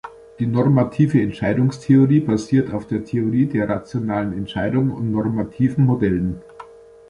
Die normative Entscheidungstheorie basiert auf der Theorie der rationalen Entscheidung und normativen Modellen.